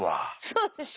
そうでしょ。